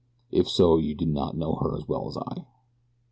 If so you do not know her as well as I."